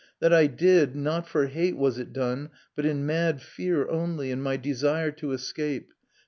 That I did not for hate was it done, but in mad fear only, in my desire to escape.